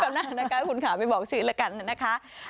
ก็นานนะคะคุณขาไม่บอกชีวิตละกันนะคะ